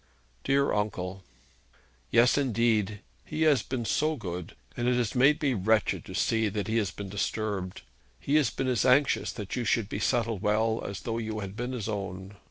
'Dear uncle!' 'Yes, indeed. He has been so good; and it has made me wretched to see that he has been disturbed. He has been as anxious that you should be settled well, as though you had been his own.